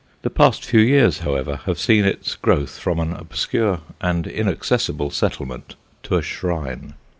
The past few years, however, have seen its growth from an obscure and inaccessible settlement to a shrine.